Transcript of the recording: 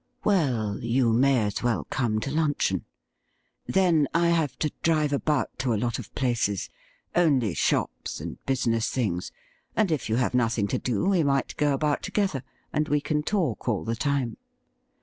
' Well, you may as well come to luncheon. Then I have to drive about to a lot of places — only shops and business things — and if you have nothing to do we might go about together, and we can talk all the time.'